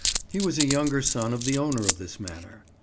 He was a younger son of the owner of this manor.